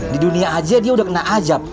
di dunia aja dia udah kena ajab